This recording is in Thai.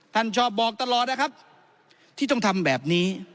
ท่านชอบบอกตลอดนะครับที่ต้องทำแบบนี้